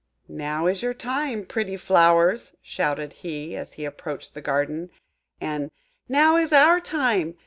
"Now is your time, pretty flowers!" shouted he, as he approached the garden; and "Now is our time!"